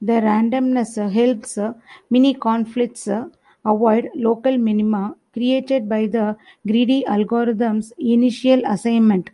The randomness helps min-conflicts avoid local minima created by the greedy algorithm's initial assignment.